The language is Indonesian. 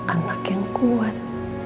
anak yang kuat